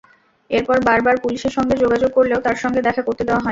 এরপর বারবার পুলিশের সঙ্গে যোগাযোগ করলেও তাঁর সঙ্গে দেখা করতে দেওয়া হয়নি।